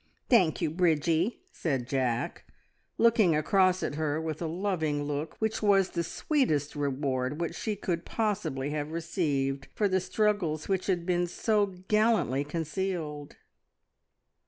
Thank you, Bridgie!" said Jack, looking across at her with a loving look which was the sweetest reward which she could possibly have received for the struggles which had been so gallantly concealed.